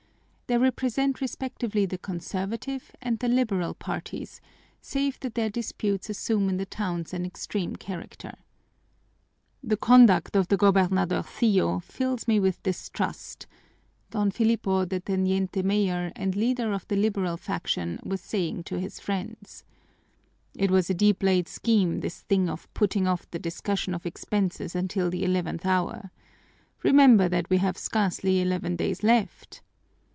They represent respectively the conservative and the liberal parties, save that their disputes assume in the towns an extreme character. "The conduct of the gobernadorcillo fills me with distrust," Don Filipo, the teniente mayor and leader of the liberal faction, was saying to his friends. "It was a deep laid scheme, this thing of putting off the discussion of expenses until the eleventh hour. Remember that we have scarcely eleven days left."